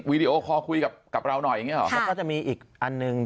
วิดีโอคอร์คุยกับเราหน่อยแล้วก็จะมีอีกอันหนึ่ง